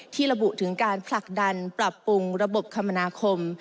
ระบุถึงการผลักดันปรับปรุงระบบคมนาคม